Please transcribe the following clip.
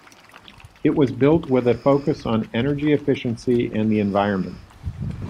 It was built with a focus on energy efficiency and the environment.